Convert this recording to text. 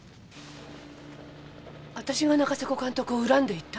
私が仲瀬古監督を恨んでいた？